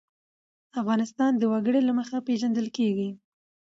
افغانستان د وګړي له مخې پېژندل کېږي.